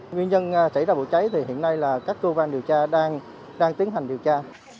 nguyên nhân xảy ra vụ cháy thì hiện nay là các cơ quan điều tra đang tiến hành điều tra